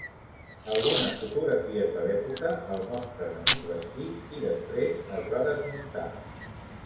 Algunes fotografies de l'època el mostren a mig bastir, i després es va desmuntar.